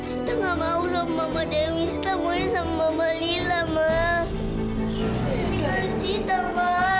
sita gak mau sama mama dewi sita maunya sama mama lila ma